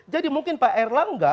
jadi mungkin pak erlangga